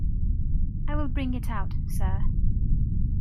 I will bring it out, sir.